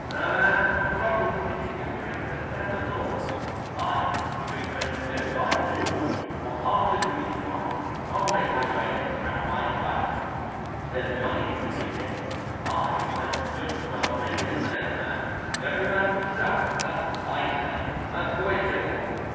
A man's got to rustle if he's going to make a success at law. I'm going to make it go, by George, or I'll know the reason why. I'll make my way in this town and my pile. There's money to be made here and I might just as well make it as the next man. Every man for himself, that's what I say; that's the way to get along.